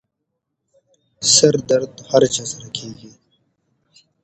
سردرد هر چا سره کېږي.